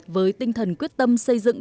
với tinh thần quyết tâm xây dựng